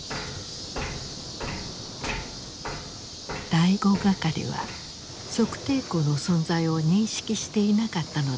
第五係は測定口の存在を認識していなかったのだろうか。